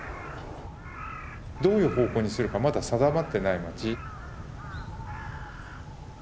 どういう方向にするかまだ定まってない町。